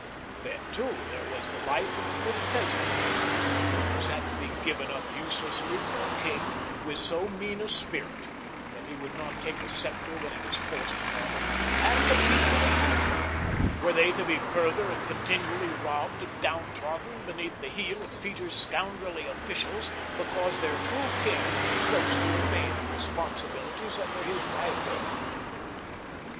Then, too, there was the life of the little peasant boy. Was that to be given up uselessly for a king with so mean a spirit that he would not take a scepter when it was forced upon him? And the people of Lutha? Were they to be further and continually robbed and downtrodden beneath the heel of Peter's scoundrelly officials because their true king chose to evade the responsibilities that were his by birth?